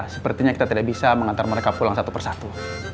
sepertinya kita tidak bisa mengantar mereka pulang satu persatu